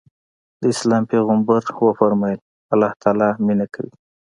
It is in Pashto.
د اسلام پيغمبر ص وفرمايل الله تعالی مينه کوي.